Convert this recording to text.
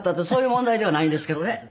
そういう問題ではないんですけどね。